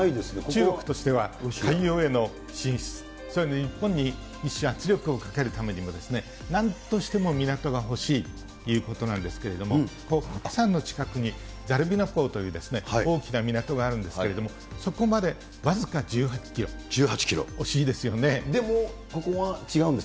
中国としては海洋への進出、日本にむしろ圧力をかけるためにも、なんとしても港が欲しいということなんですけれども、ハサンの近くにザルビナ港という大きな港があるんですけれども、そこまで僅か１８キロ、でもここは違うんです？